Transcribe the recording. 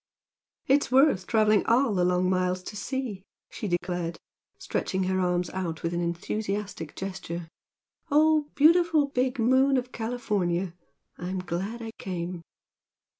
"It's worth travelling all the long miles to see!" she declared, stretching her arms out with an enthusiastic gesture "Oh, beautiful big moon of California! I'm glad I came!"